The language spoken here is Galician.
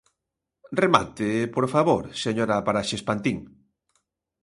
Remate, por favor, señora Paraxes Pantín.